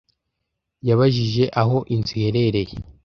Yabajije aho inzu iherereye.